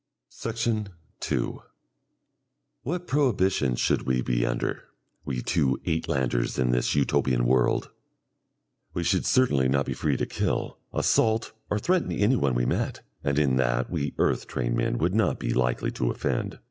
Section 2 What prohibitions should we be under, we two Uitlanders in this Utopian world? We should certainly not be free to kill, assault, or threaten anyone we met, and in that we earth trained men would not be likely to offend.